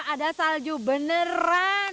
ada salju beneran